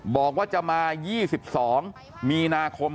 บอกว่าจะมา๒๒มีนาคม